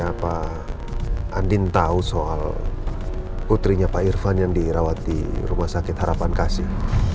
apa andin tahu soal putrinya pak irfan yang dirawat di rumah sakit harapan kasih